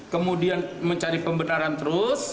kemudian mencari pembenaran terus